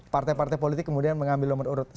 partai partai politik kemudian mengambil nomor urut satu